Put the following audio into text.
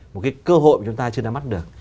một cơ hội mà chúng ta chưa nắm mắt được